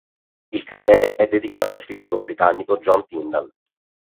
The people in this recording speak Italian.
Il cratere è dedicato al fisico britannico John Tyndall.